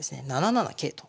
７七桂と。